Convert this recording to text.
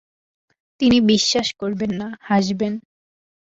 তিনি বিশ্বাস করবেন না, হাসবেন।